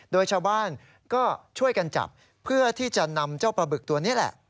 โดยชาวบ้านก็ช่วยกันจับเพื่อที่จะนำเจ้าปลาบึกตัวนี้แหละ